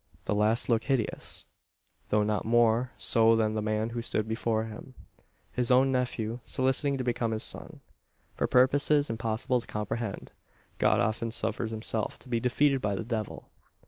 The last looked hideous; though not more so than the man who stood before him his own nephew soliciting to become his son! For purposes impossible to comprehend, God often suffers himself to be defeated by the Devil.